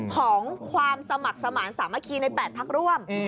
ของความสมัครสมาธิสามัคคีใน๘พักร่วม